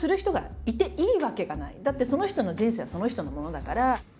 だってその人の人生はその人のものだから。